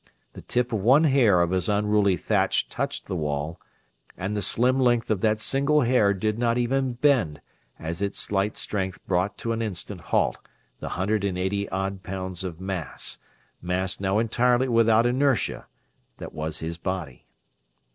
The tip of one hair of his unruly thatch touched the wall, and the slim length of that single hair did not even bend as its slight strength brought to an instant halt the hundred and eighty odd pounds of mass mass now entirely without inertia that was his body.